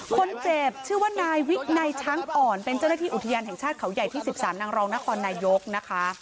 คนเจ็บชื่อว่านายวินัยช้างอ่อนเป็นเจ้าหน้าที่อุทยานแห่งชาติเขาใหญ่ที่๑๓นางรองนครนายกนะคะ